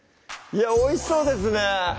いやおいしそうですね！